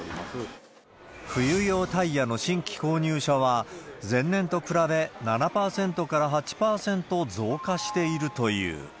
冬用タイヤの新規購入者は、前年と比べ７％から８％増加しているという。